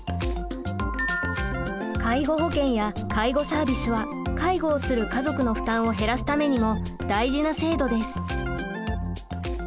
介護保険や介護サービスは介護をする家族の負担を減らすためにも大事な制度です。